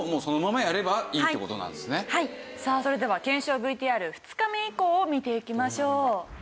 さあそれでは検証ＶＴＲ２日目以降を見ていきましょう。